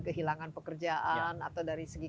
kehilangan pekerjaan atau dari segi